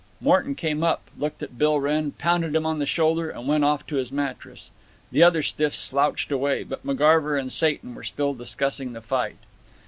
Morton came up, looked at Bill Wrenn, pounded him on the shoulder, and went off to his mattress. The other stiffs slouched away, but McGarver and Satan were still discussing the fight.